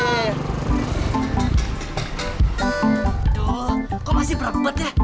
aduh kok masih berempet ya